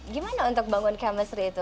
gimana untuk bangun chemistry itu